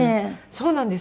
そうなんです。